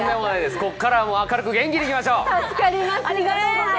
ここからは明るく元気でいきましょう！